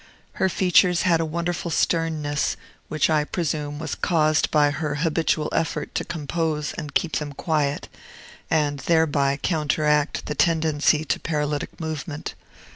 Her features had a wonderful sternness, which, I presume, was caused by her habitual effort to compose and keep them quiet, and thereby counteract the tendency to paralytic movement.